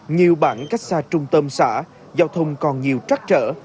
nhiều bản cách xa trung tâm xã giao thông còn nhiều trắc trở